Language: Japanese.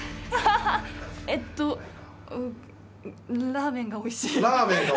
えっとラーメンがおいしい。